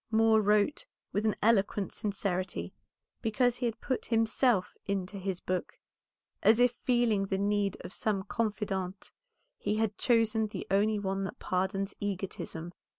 Moor wrote with an eloquent sincerity, because he had put himself into his book, as if feeling the need of some confidante he had chosen the only one that pardons egotism.